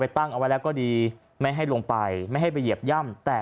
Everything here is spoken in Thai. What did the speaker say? ตั้งเอาไว้แล้วก็ดีไม่ให้ลงไปไม่ให้ไปเหยียบย่ำแต่